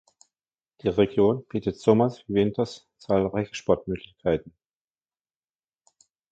Die Region bietet sommers wie winters zahlreiche Sportmöglichkeiten.